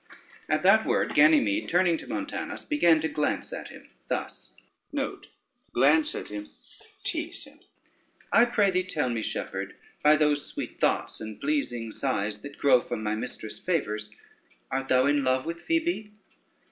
At that word Ganymede, turning to Montanus, began to glance at him thus: [Footnote 1: tease.] "I pray thee, tell me, shepherd, by those sweet thoughts and pleasing sighs that grow from my mistress' favors, art thou in love with Phoebe?"